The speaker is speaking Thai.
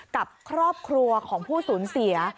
กับครอบครัวของผู้สูญเสีย